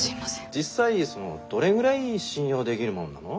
実際そのどれぐらい信用でぎるもんなの？